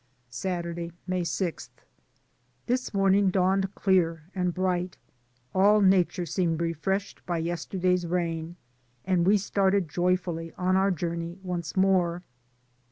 Saturday, May 6. This morning dawned clear and bright ; all nature seemed refreshed by yesterday's rain, and we started joyfully on our journey once more.